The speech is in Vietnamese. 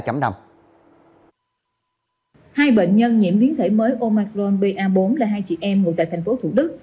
hai bệnh nhân nhiễm biến thể mới omicron ba bốn là hai chị em ngồi tại thành phố thủ đức